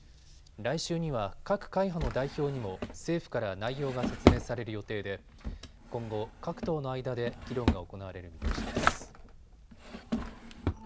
来週には各会派の代表にも政府から内容が説明される予定で今後、各党の間で議論が行われる見通しです。